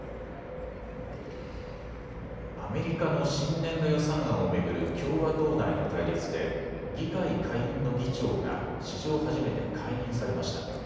アメリカの新年度予算案を巡る共和党内の対立で議会下院の議長が史上初めて解任されました。